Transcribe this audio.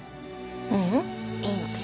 ううんいいの。